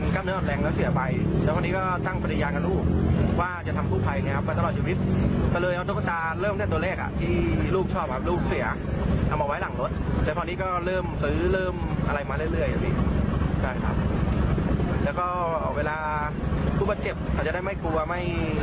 ขอแสดงความเสียงใจก่อนเลยละกันนะคะ